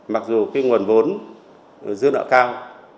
mặc dù cái nguồn vốn dư nợ cao